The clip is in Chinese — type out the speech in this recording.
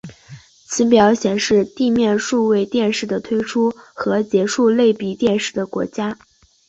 此表显示地面数位电视的推出和结束类比电视的国家。